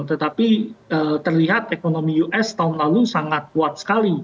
tetapi terlihat ekonomi us tahun lalu sangat kuat sekali